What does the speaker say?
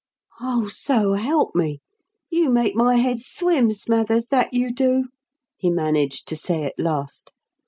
"Oh, so help me! You make my head swim, Smathers, that you do!" he managed to say at last.